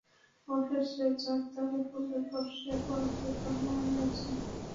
অবশেষে জর্দানের পূর্ব পার্শ্বে অবস্থিত মাআনে গিয়ে পৌঁছল।